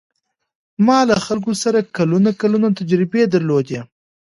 ما له خلکو سره کلونه کلونه تجربې درلودې.